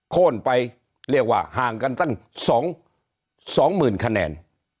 โค้นไปเรียกว่าห่างกันตั้ง๒๐๐๐คะแนน